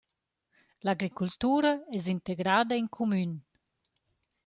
L’agricultura es integrada in cumün.